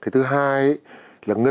thứ hai là ngân hàng